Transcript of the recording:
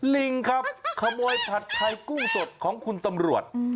ลิงครับขโมยผัดไทยกุ้งสดของคุณตำรวจ